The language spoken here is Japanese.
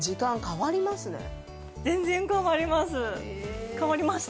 全然変わります。